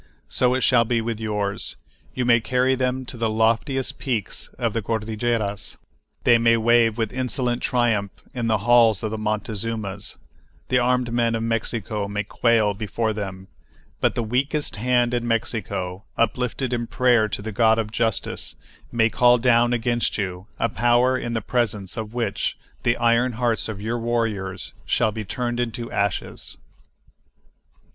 So it shall be with yours. You may carry them to the loftiest peaks of the Cordilleras, they may wave with insolent triumph in the halls of the Montezumas, the armed men of Mexico may quail before them, but the weakest hand in Mexico, uplifted in prayer to the God of Justice, may call down against you a Power in the presence of which the iron hearts of your warriors shall be turned into ashes.